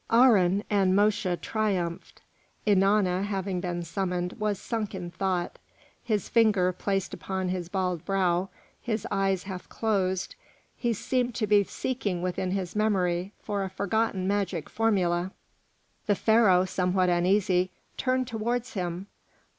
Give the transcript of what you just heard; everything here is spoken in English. Aharon and Mosche triumphed. Ennana, having been summoned, was sunk in thought; his finger, placed upon his bald brow, his eyes half closed, he seemed to be seeking within his memory for a forgotten magic formula. The Pharaoh, somewhat uneasy, turned towards him.